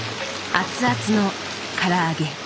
熱々のから揚げ。